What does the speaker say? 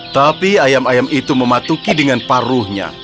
tapi ayam ayam itu mematuki dengan paruhnya